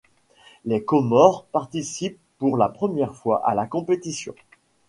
Les Comores participent pour la première fois à la compétition.